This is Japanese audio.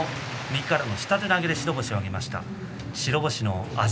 右からの下手投げで白星を挙げました。